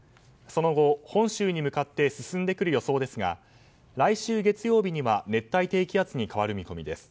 その後、本州に向かって進んでくる予想ですが来週月曜日には熱帯低気圧に変わる見込みです。